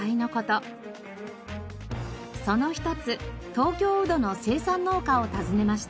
その一つ東京ウドの生産農家を訪ねました。